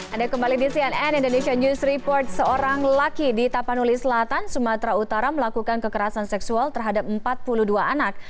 ada kembali di cnn indonesia news report seorang lelaki di tapanuli selatan sumatera utara melakukan kekerasan seksual terhadap empat puluh dua anak